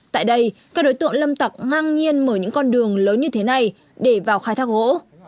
tại đây các đối tượng lâm tặc ngang nhiên mở những con đường lớn như thế này để vào khai thác gỗ